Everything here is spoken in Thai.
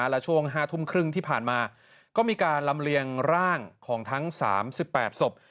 และช่วง๕ทุ่มครึ่งที่ผ่านมาก็มีการลำเลียงร่างของทั้ง๓๘ศพ